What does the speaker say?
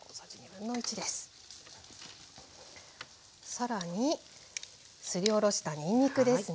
更にすりおろしたにんにくですね。